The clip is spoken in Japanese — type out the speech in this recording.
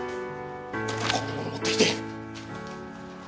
こんなもの持ってきて。